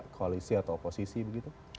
koalisi atau oposisi begitu